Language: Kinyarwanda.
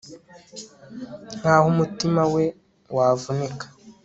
Nkaho umutima we wavunika